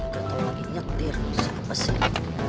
gatot lagi nyetir siapa sih